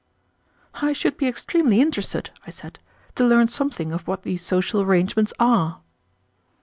"I should be extremely interested," I said, "to learn something of what these social arrangements are."